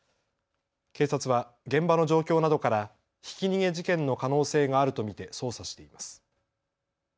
警察は現場の状況などからひき逃げ事件の可能性があると見て捜査しています。